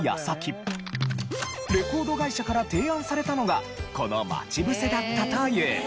レコード会社から提案されたのがこの『まちぶせ』だったという。